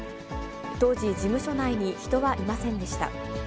当時、事務所内に人はいませんでした。